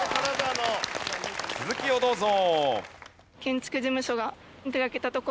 続きをどうぞ。